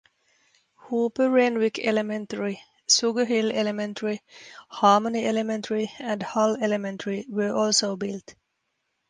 Hooper-Renwick Elementary, Sugar Hill Elementary, Harmony Elementary, and Hull Elementary were also built.